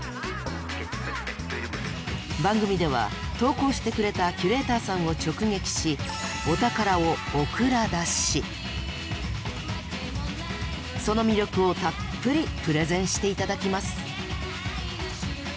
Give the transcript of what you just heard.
番組では投稿してくれたキュレーターさんを直撃しお宝をその魅力をたっぷりプレゼンして頂きます！